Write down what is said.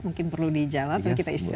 mungkin perlu dijawab kita istirahat sebentar